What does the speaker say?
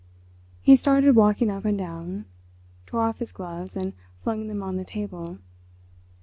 He started walking up and down—tore off his gloves and flung them on the table.